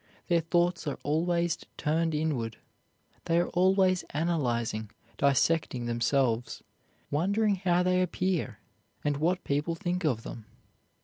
Their thoughts are always turned inward; they are always analyzing, dissecting themselves, wondering how they appear and what people think of them.